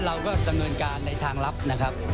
เราก็ดำเนินการในทางลับนะครับ